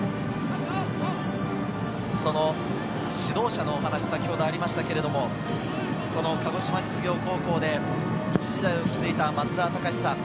指導者のお話がありましたけれども、鹿児島実業高校で、一時代を築いた松澤隆司さん。